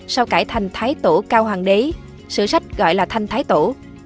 sau cải thành thái tổ cao hoàng đế sử sách gọi là thanh thái tổ